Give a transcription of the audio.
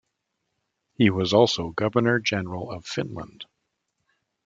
He was also the Governor-General of Finland.